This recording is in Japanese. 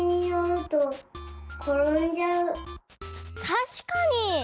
たしかに！